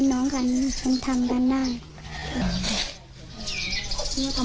พี่น้องของผู้เสียหายแล้วเสร็จแล้วมีการของผู้เสียหาย